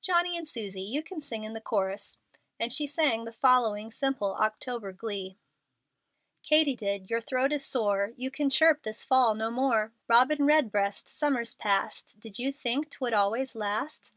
Johnny and Susie, you can join in the chorus;" and she sang the following simple October glee: Katydid, your throat is sore, You can chirp this fall no more; Robin red breast, summer's past, Did you think 'twould always last?